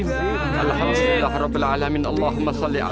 bagaimana ini bahasanya